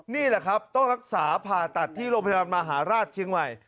นี่แหละครับต้องรักษาผ่าตัดที่โรงพยาบาลมหาราชเชียงใหม่